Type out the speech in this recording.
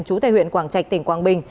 chú tài huyện quảng trạch tỉnh quảng bình